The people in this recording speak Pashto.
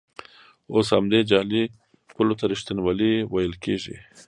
اوس همدې جعلي پولو ته ریښتینولي ویل کېږي.